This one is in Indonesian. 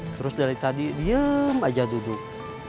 terus dari tadi diem aja duduk